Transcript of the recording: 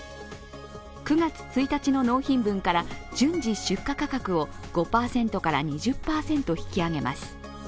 ９月１日の納品分から順次出荷価格を５％から２０％引き上げます。